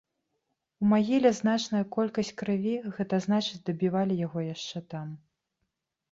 У магіле значная колькасць крыві, гэта значыць, дабівалі яго яшчэ там.